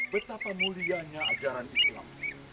betapa mulianya ajaran islam